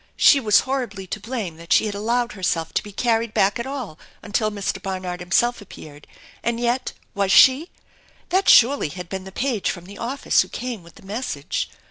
She was horribly to blame that she had allowed herself to be carried back at all until Mr. Barnard himself appeared ; and yet, was she? That surely had been the page from the office who came with the message?